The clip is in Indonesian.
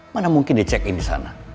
mana mungkin dia cekin di sana